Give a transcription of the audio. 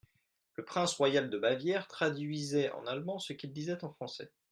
Le prince royal de Bavière traduisait en allemand ce qu'il disait en français.